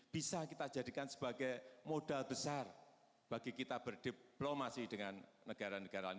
bisa kita jadikan sebagai modal besar bagi kita berdiplomasi dengan negara negara lain